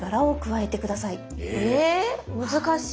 ええ難しい。